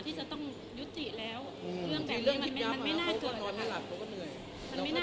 ก็ใจของเองนะคะก็คือว่าขอให้จบเพราะว่าเห็นแก่พ่อแล้วก็พ่อก็จะไม่สบายใจ